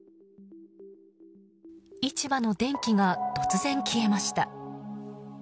市場の電気が突然消えました。